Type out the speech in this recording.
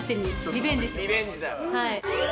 リベンジだ。